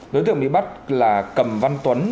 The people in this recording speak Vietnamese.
đối tượng bị bắt là cầm văn tuấn